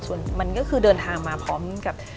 ส่วนมันก็คือเดินทางมาพร้อมกับ